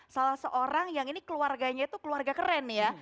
salah seorang yang ini keluarganya itu keluarga keren ya